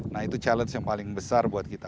nah itu challenge yang paling besar buat kita